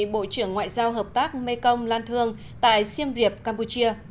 bộ trưởng ngoại giao hợp tác mekong lan thương tại siem riệp campuchia